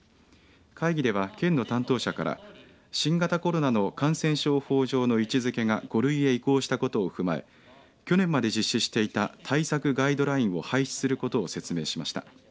会議では県の担当者から新型コロナの感染症法上の位置づけが５類へ移行したことを踏まえ去年まで実施していた対策ガイドラインを廃止することを説明しました。